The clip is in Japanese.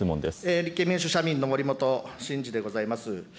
立憲民主・社民の森本真治でございます。